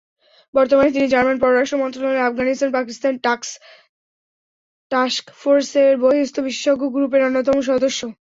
বর্তমানে তিনি জার্মান পররাষ্ট্র মন্ত্রণালয়ের আফগানিস্তান-পাকিস্তান টাস্কফোর্সের বহিস্থ বিশেষজ্ঞ গ্রুপের অন্যতম সদস্য।